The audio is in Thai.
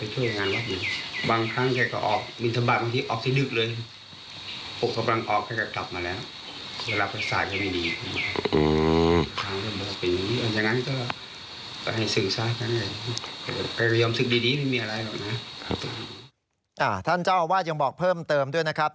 ท่านเจ้าอาวาสยังบอกเพิ่มเติมด้วยนะครับ